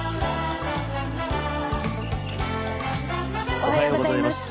おはようございます。